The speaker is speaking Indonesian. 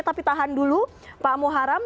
tapi tahan dulu pak muharam